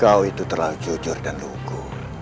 kau itu terlalu jujur dan hukum